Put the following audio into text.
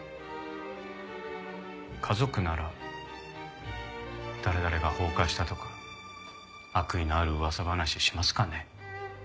家族なら「誰々が放火した」とか悪意のある噂話しますかね？